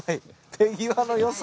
手際のよさ